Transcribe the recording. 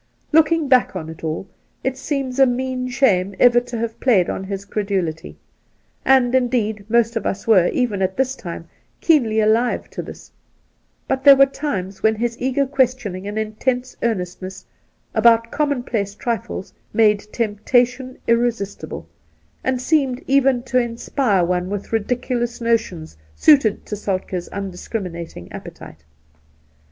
Looking back on it all, it seems a mean shame ever to have played on his credulity ; and, indeed, most of us were, even at this time, keenly alive to this ; but there were times when his eager questioning and intense earnestness about common place trifles made temptation irresistible, and seemed even to inspire one with ridiculous notions suited to Soltk^'s undiscriminating appetite.